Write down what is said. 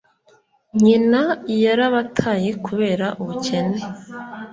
nyina yarabataye kubera ubukene.